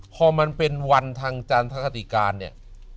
พอมันเป็นวันทางจันทคติการเนี่ย